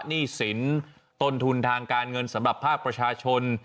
หนี้สินต้นทุนทางการเงินสำหรับภาคประชาชน